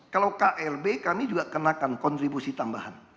kalau klb kami juga kenakan kontribusi tambahan